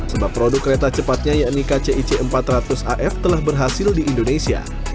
sebab produk kereta cepatnya yakni kcic empat ratus af telah berhasil di indonesia